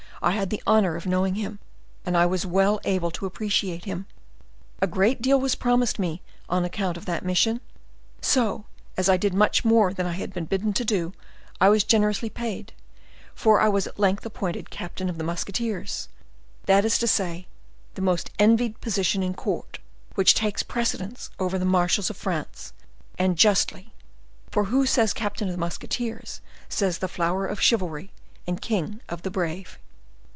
I had the honor of knowing him, and I was well able to appreciate him. A great deal was promised me on account of that mission. So, as I did much more than I had been bidden to do, I was generously paid, for I was at length appointed captain of the musketeers; that is to say, the most envied position in court, which takes precedence over the marshals of France, and justly; for who says captain of the musketeers says the flower of chivalry and king of the brave."